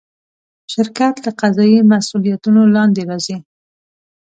شرکت له قضایي مسوولیتونو لاندې راځي.